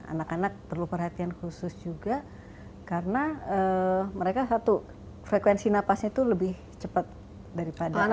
anak anak perlu perhatian khusus juga karena mereka satu frekuensi napasnya itu lebih cepat daripada